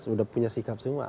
sudah punya sikap semua